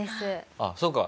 あっそうか。